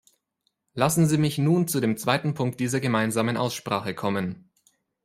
Lassen Sie mich nun zu dem zweiten Punkt dieser gemeinsamen Aussprache kommen.